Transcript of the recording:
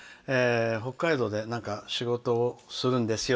北海道で仕事をするんですよ。